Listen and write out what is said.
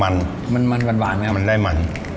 มันมันมันมันหวานครับมันได้หมัน